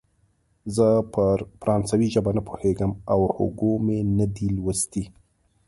زه پر فرانسوي ژبه نه پوهېږم او هوګو مې نه دی لوستی.